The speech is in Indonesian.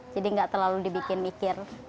jadi nggak terlalu dibikin mikir